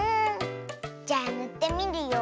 じゃあぬってみるよ。